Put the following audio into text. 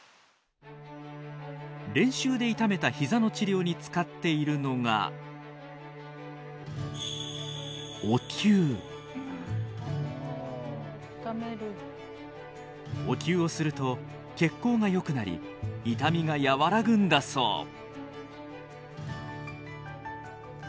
練習で痛めたヒザの治療に使っているのがお灸をすると血行がよくなり痛みが和らぐんだそう。